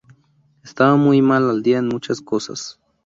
Estaban muy al día en muchas cosas.